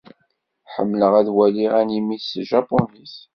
Ḥemmleɣ ad waliɣ animi s tjapunit.